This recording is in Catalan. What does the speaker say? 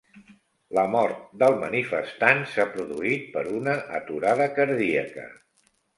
La mort del manifestant s'ha produït per una aturada cardíaca